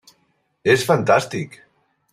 És fantàstic.